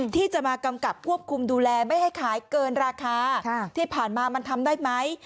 ที่จะมากำกับควบคุมดูแลไม่ให้ขายเกินราคาที่ผ่านมามันทำได้ไหม